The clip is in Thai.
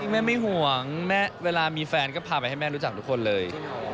แม่ไม่ห่วงแม่เวลามีแฟนก็พาไปให้แม่รู้จักทุกคนเลย